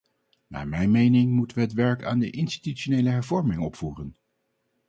Naar mijn mening moeten we het werk aan de institutionele hervorming opvoeren.